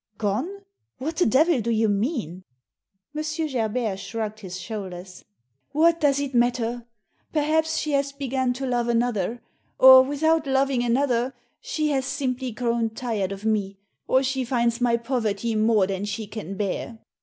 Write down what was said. " Gone ? What the devil do you mean ?" M. Gerbert shrugged his shoulders. " What does it matter? Perhaps she has begun to love another, or, without loving another, she has Digitized by VjOOQIC THE ASSASSIN i8i simply grown tired of me, or she finds my poverty more than she can bear."